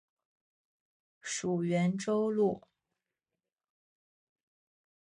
属袁州路。